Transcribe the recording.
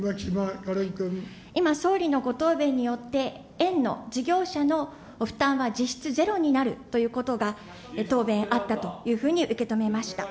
今、総理のご答弁によって、園の、事業者の負担は実質ゼロになるということが答弁あったというふうに受け止めました。